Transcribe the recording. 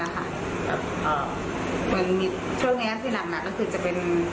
เหมือนช่วงนี้ที่หนักก็คือจะเป็น